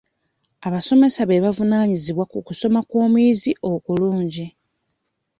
Abasomesa be bavunaanyizibwa ku kusoma kw'omuyizi okulungi.